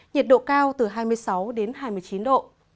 nhiệt độ cao từ hai mươi sáu đến hai mươi chín độ